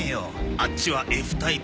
あっちはＦタイプ。